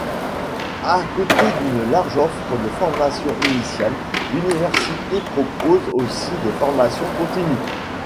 À côté d’une large offre de formations initiales, l’université propose aussi des formations continues.